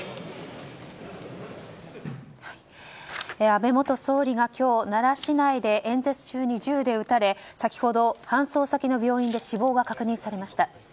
安倍元総理が今日、奈良市内で演説中に銃で撃たれ、先ほど搬送先の病院で死亡が確認されました。